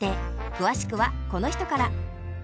詳しくはこの人から。